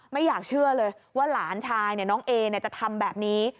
ไม่อยากเชื่อเลยว่าหลานชายน้องเอจะทำแบบนี้